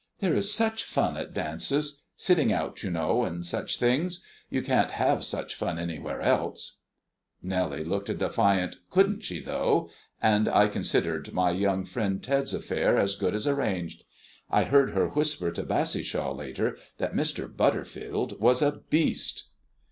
There is such fun at dances sitting out, you know, and such things. You can't have such fun anywhere else." Nellie looked a defiant "Couldn't she, though," and I considered my young friend Ted's affair as good as arranged. I heard her whisper to Bassishaw later that Mr. Butterfield was a beast.